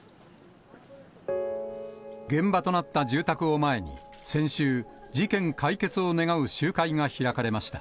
現場となった住宅を前に、先週、事件解決を願う集会が開かれました。